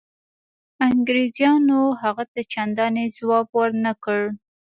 انګرېزانو هغه ته چنداني ځواب ورنه کړ.